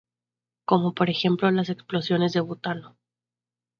Como por ejemplo las explosiones de butano.